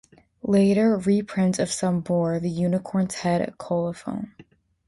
Later reprints of some bore the Unicorn's Head colophon.